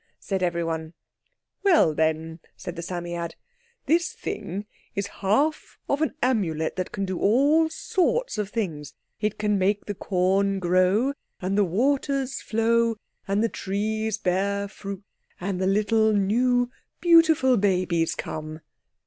said everyone. "Well, then," said the Psammead. "This thing is half of an Amulet that can do all sorts of things; it can make the corn grow, and the waters flow, and the trees bear fruit, and the little new beautiful babies come.